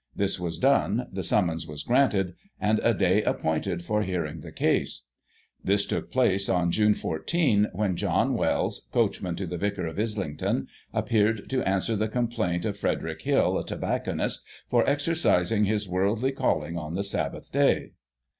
This was done, the summons was granted, and a day appointed for hearing the case. This took place on June 14, when John Wells, coachman to the vicar of Islington, appeared to answer the complaint of Frederick Hill, a tobacconist, for exercising his worldly calling on the Sabbath day.